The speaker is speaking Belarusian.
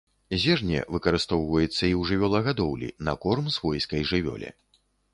Зерне выкарыстоўваецца і ў жывёлагадоўлі на корм свойскай жывёле.